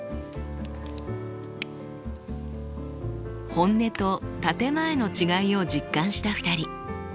本音と建て前の違いを実感した２人。